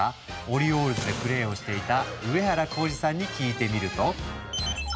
オリオールズでプレーをしていた上原浩治さんに聞いてみると。